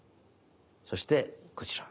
そしてこちら。